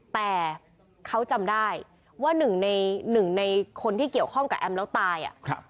แต่เขาจำได้ว่าหนึ่งในหนึ่งในคนที่เกี่ยวข้องกับแอมแล้วตาย